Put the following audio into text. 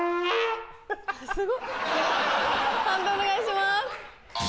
判定お願いします。